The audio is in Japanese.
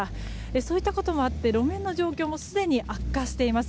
そういったこともあって路面の状況もすでに悪化しています。